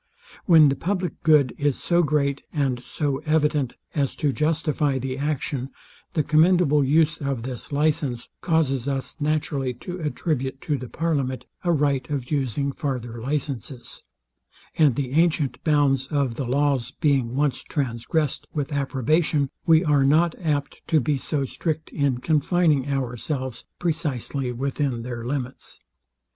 When the public good is so great and so evident as to justify the action, the commendable use of this licence causes us naturally to attribute to the parliament a right of using farther licences; and the antient bounds of the laws being once transgressed with approbation, we are not apt to be so strict in confining ourselves precisely within their limits.